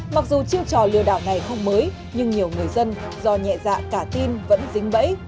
mặc dù chiêu trò lừa đảo này không mới nhưng nhiều người dân do nhẹ dạ cả tin vẫn dính bẫy